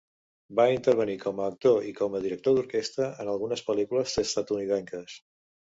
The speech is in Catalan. Va intervenir com a actor i com a director d'orquestra en algunes pel·lícules estatunidenques.